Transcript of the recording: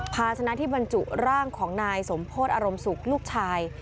ภาชนะที่บรรจุร่างของนายสมโพธิอารมณ์สุขลูกชาย